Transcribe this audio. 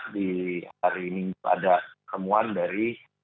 di hari ini ada pertemuan dari